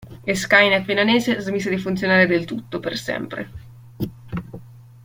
E Skynet Milanese smise di funzionare del tutto, per sempre.